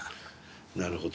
なるほど。